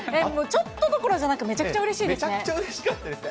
ちょっとどころじゃなく、めちゃくちゃうれしかったですね。